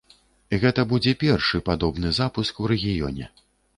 Гэта будзе першы падобны запуск у рэгіёне.